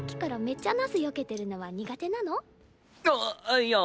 いや。